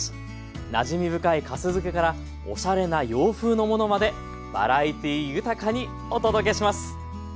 なじみ深いかす漬けからおしゃれな洋風のものまでバラエティー豊かにお届けします。